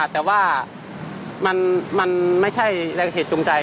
แต่ว่ามันไม่ใช่แรงเหตุจูงใจ